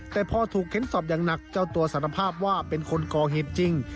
แต่พอถูกเค้นสอบอย่างหนักเจ้าตัวสารภาพว่าเป็นคนก่อเหตุจริง